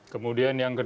kemudian yang kedua